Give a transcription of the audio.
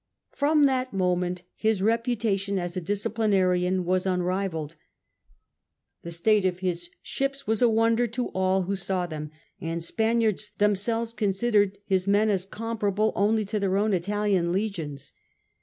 ^ From that moment his reputation as a disciplinarian was unrivalled. The state of his ships was a wonder to all who saw them, and Spaniards themselves considered his men as comparable only to their own Italian legions.